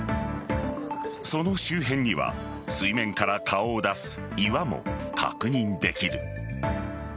その周辺には水面から顔を出す岩も確認できる。